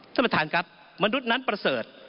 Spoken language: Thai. สมภัทรครับมนุษย์นั้นประเสริฐ